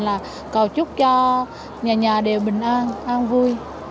là cầu chúc cho nhà nhà đều bình an an vui